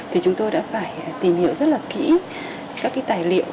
thì chúng tôi đã phải tìm hiểu rất là kỹ các cái tài liệu